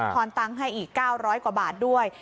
อนตังค์ให้อีก๙๐๐กว่าบาทด้วย